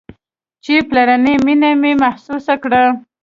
چې پلرنۍ مينه مې محسوسه کړه.